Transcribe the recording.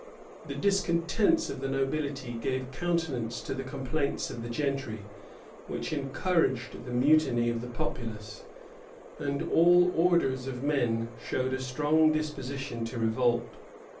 The discontents of the nobility gave countenance to the complaints of the gentry, which encouraged the mutiny of the populace; and all orders of men showed a strong disposition to revolt.